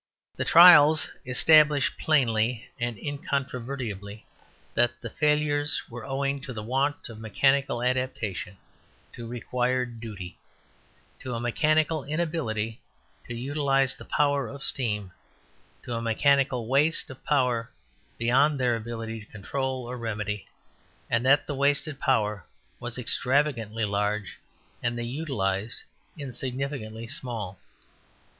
The trials establish plainly and incontrovertibly that the failures were owing to the want of mechanical adaptation to required duty; to a mechanical inability to utilize the power of the steam; to a mechanical waste of power beyond their ability to control or remedy; and that the wasted power was extravagantly large and the utilized insignificantly small.